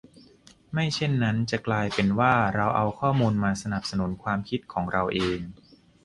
ไม่เช่นนั้นจะกลายเป็นว่าเราเอาข้อมูลมาสนับสนุนความคิดของเราเอง